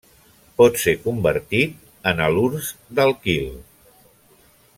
Pot ser convertit en halurs d'alquil.